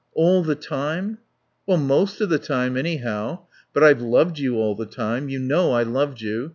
"All the time?" "Well, most of the time, anyhow. But I've loved you all the time. You know I loved you.